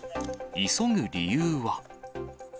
急ぐ理由は。